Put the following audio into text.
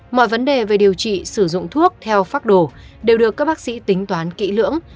mọi vấn đề về điều trị sử dụng thuốc theo phác đồ đều được các bác sĩ tính toán kỹ lưỡng